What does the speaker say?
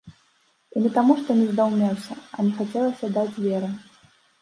І не таму, што не здаўмеўся, а не хацелася даць веры.